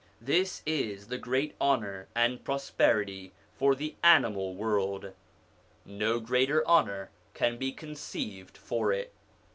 This is the great honour and prosperity for the animal world ; no greater honour can be conceived for it.